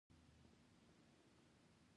د شپې له خوا د وخته ویده کیدل یو لارښوونه ده.